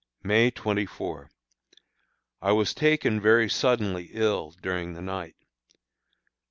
May 24. I was taken very suddenly ill during the night.